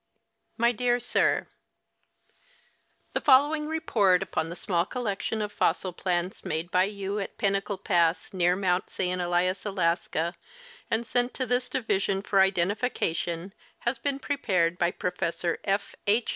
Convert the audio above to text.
My Dear Sir : The following report upon the small collection of fossil plants made by you at Pinnacle pass, near Mount St. Elias, Alaska, and sent to this division for identification has been prepared by Professor F. H.